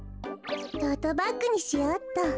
トートバッグにしようっと。